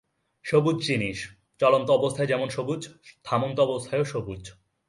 সবুজ জিনিস, চলন্ত অবস্থায় যেমন সবুজ, থামন্ত অবস্থায়ও সবুজ।